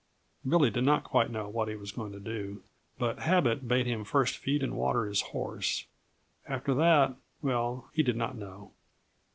Billy did not quite know what he was going to do, but habit bade him first feed and water his horse. After that well, he did not know.